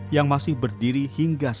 yang masih berdiri hingga saat ini